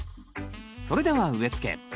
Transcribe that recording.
それでは植え付け。